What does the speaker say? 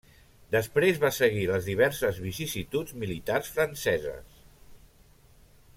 Després va seguir les diverses vicissituds militars franceses.